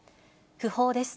訃報です。